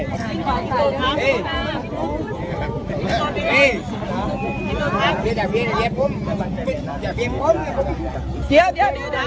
อ๋อโอ้ยครับครับขอบคุณครับ